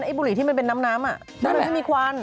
ไอ้บุหรี่ที่ไม่เป็นน้ำนั่นแหละมันไม่มีควัน